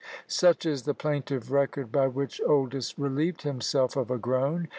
Such is the plaintive record by which Oldys relieved himself of a groan!